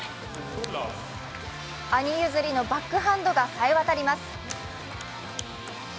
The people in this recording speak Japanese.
兄譲りのバックハンドがさえ渡ります。